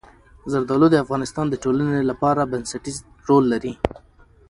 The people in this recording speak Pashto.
زردالو د افغانستان د ټولنې لپاره بنسټيز رول لري.